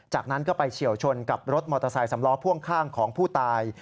จากนั้นก็ไปเฉียวชนกับรถมอเตอร์ไซค์สำล้อพ่วงข้างของผู้ตาย